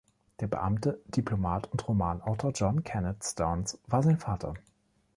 Der Beamte, Diplomat und Romanautor John Kennett Starnes war sein Vater.